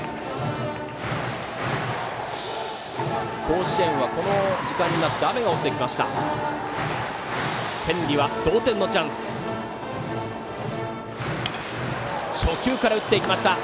甲子園はこの時間になって雨が落ちてきました。